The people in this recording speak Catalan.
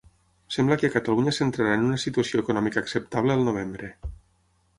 Sembla que a Catalunya s'entrarà en una situació econòmica acceptable al novembre.